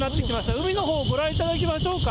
海のほう、ご覧いただきましょうか。